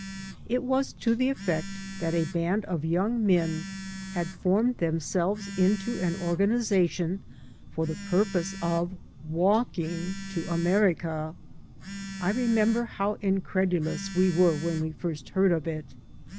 It was to the effect that a band of young men had formed themselves into an organization for the purpose of walking to America. I remember how incredulous we were when we first heard of it.